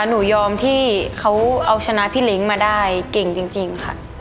หนูยอมที่เขาเอาชนะพี่เล้งมาได้เก่งจริงค่ะ